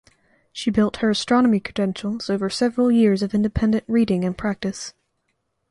She built her astronomy credentials over several years of independent reading and practice.